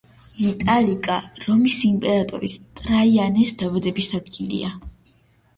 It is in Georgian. იტალიკა რომის იმპერატორის ტრაიანეს დაბადების ადგილია.